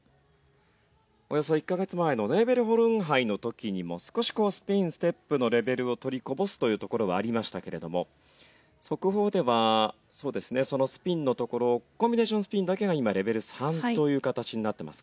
およそ１カ月前のネーベルホルン杯の時にも少しこうスピンステップのレベルを取りこぼすというところはありましたけれども速報ではそうですねそのスピンのところコンビネーションスピンだけが今レベル３という形になってますかね。